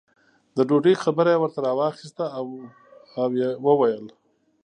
د ډوډۍ خبره یې ورته راواخسته او یې وویل.